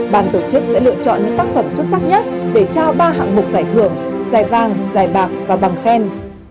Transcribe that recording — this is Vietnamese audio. bàn tổ chức sẽ lựa chọn những tác phẩm xuất sắc nhất để trao ba hạng mục giải thưởng giải vàng giải bạc và bằng khen